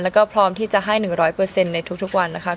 แล้วก็พร้อมที่จะให้๑๐๐ในทุกวันนะคะ